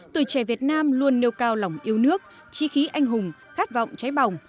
tuổi trẻ việt nam luôn nêu cao lòng yêu nước chi khí anh hùng khát vọng cháy bỏng